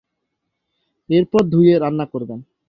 এরপর ধুয়ে রান্না করবেন।